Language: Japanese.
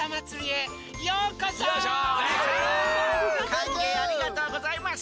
かんげいありがとうございます。